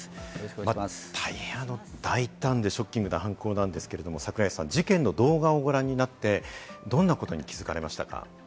大変、大胆でショッキングな犯行ですが、事件の動画をご覧になって、どんなことに気づかれましたか？